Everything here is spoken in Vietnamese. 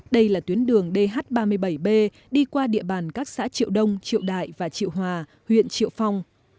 đây là tuyến đường dh ba mươi bảy b đi qua địa bàn các xã triệu đông triệu đại và triệu hòa huyện triệu phong